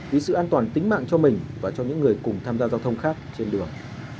vì sự an toàn tính mạng cho mình và cho những người cùng tham gia giao thông khác trên đường